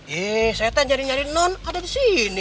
yee saya tante nyari nyari non ada disini